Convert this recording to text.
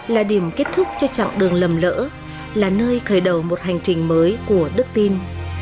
là điểm kết thúc cho chặng đường lầm lỡ là nơi khởi đầu một hành trình mới của đức tin